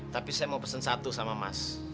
tapi saya mau pesan satu sama mas